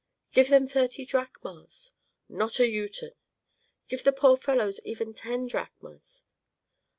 "Give them even thirty drachmas." "Not an uten." "Give the poor fellows even ten drachmas."